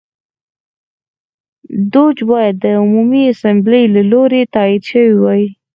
دوج باید د عمومي اسامبلې له لوري تایید شوی وای.